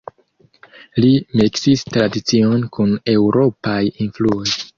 Li miksis tradicion kun eŭropaj influoj.